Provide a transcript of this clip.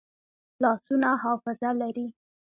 لاسونه حافظه لري